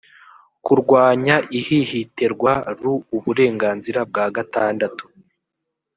kurwanya ihihiterwa ru uburenganzira bwa gatandatu